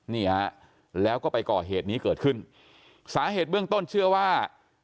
นี่ฮะแล้วก็ไปก่อเหตุนี้เกิดขึ้นสาเหตุเบื้องต้นเชื่อว่า